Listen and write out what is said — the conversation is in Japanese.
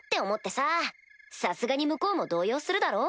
さすがに向こうも動揺するだろ？